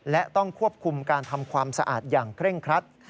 และต้องควบคุมการทำความสะอาดอย่างเคร่งครัด